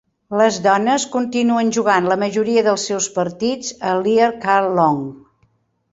Les dones continuen jugant la majoria dels seus partits a l'Earl K. Long.